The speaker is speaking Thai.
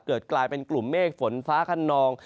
กลายเป็นกลุ่มเมฆฝนฟ้าขนอง